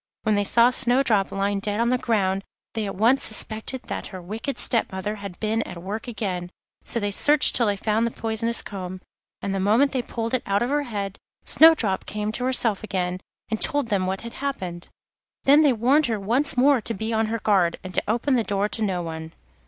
When they saw Snowdrop lying dead on the ground, they at once suspected that her wicked step mother had been at work again; so they searched till they found the poisonous comb, and the moment they pulled it out of her head Snowdrop came to herself again, and told them what had happened. Then they warned her once more to be on her guard, and to open the door to no one.